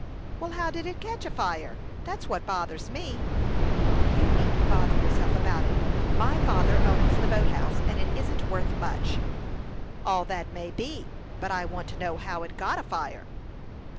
"Well, how did it catch afire? That's what bothers me." "You needn't bother yourself about it. My father owns the boat house, and it isn't worth much." "All that may be; but I want to know how it got afire."